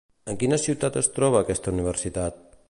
En quina ciutat es troba aquesta universitat?